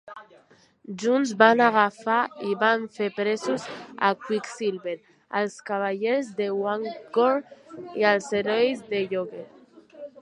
Junts van agafar i van fer presos a Quicksilver, als Cavallers de Wundagore i als Herois de Lloguer.